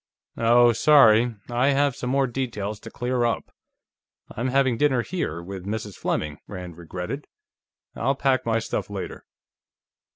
"Oh, sorry. I have some more details to clear up; I'm having dinner here, with Mrs. Fleming," Rand regretted. "I'll pack my stuff later."